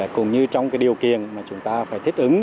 cũng như trong cái điều kiện mà chúng ta phải thích ứng